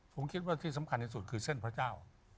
ผมคิดว่าที่สำคัญที่สุดคือเส้นพระเจ้า